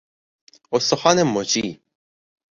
استخوان مچی